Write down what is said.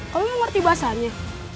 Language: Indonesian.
kamu mengerti bahasanya